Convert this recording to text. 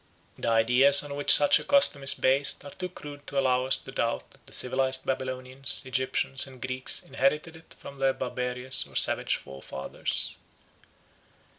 The ideas on which such a custom is based are too crude to allow us to doubt that the civilised Babylonians, Egyptians, and Greeks inherited it from their barbarous or savage forefathers.